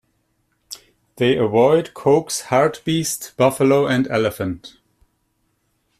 They avoid Coke's hartebeest, buffalo and elephant.